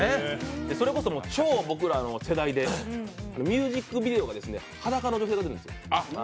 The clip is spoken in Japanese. それこそ超僕らの世代で、ミュージックビデオが裸の女性が出てくるんですよ、